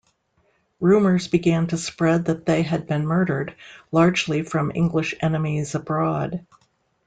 Rumours began to spread that they had been murdered, largely from English enemies abroad.